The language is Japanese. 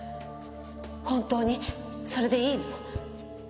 本当にそれでいいの？